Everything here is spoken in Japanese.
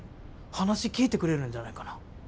話聞いてくれるんじゃないかな。